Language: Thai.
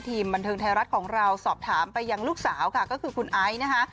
บันเทิงไทยรัฐของเราสอบถามไปยังลูกสาวค่ะก็คือคุณไอซ์นะคะ